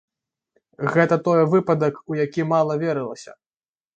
Гэта той выпадак, у які мала верылася.